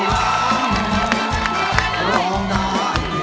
ร้องได้ร้องได้ร้องได้